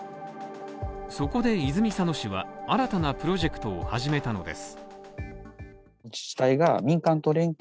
そこで泉佐野市は、新たなプロジェクトを始めたのです